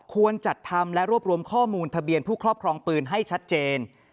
ควรจัดทำและรวบรวมข้อมูลทะเบียนผู้ครอบครองปืนให้ชัดเจน